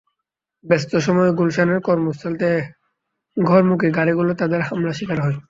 ব্যস্ত সময়ে গুলশানের কর্মস্থল থেকে ঘরমুখী গাড়িগুলো তাঁদের হামলার শিকার হয়।